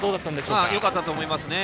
よかったと思いますね。